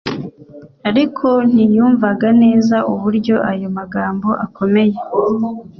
ariko ntiyumvaga neza uburyo ayo magambo akomeye.